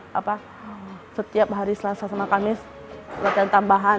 karena setiap hari selasa sama kamis latihan tambahan